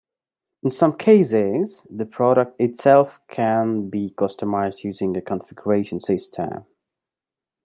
In some cases, the product itself can be customized using a configuration system.